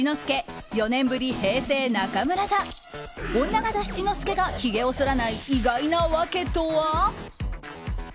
女形七之助がひげをそらない意外な訳とは？